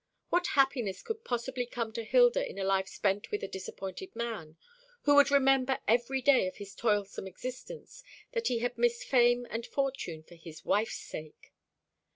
What happiness could possibly come to Hilda in a life spent with a disappointed man, who would remember, every day of his toilsome existence, that he had missed fame and fortune for his wife's sake?